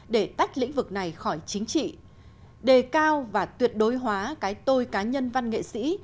để tách lĩnh vực này khỏi chính trị đề cao và tuyệt đối hóa cái tôi cá nhân văn nghệ sĩ